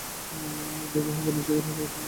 ভয়াবহ বন্যার শিকার পাকিস্তানের বিভিন্ন অঞ্চল।